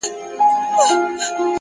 لوړ فکر د عادتونو کچه لوړوي,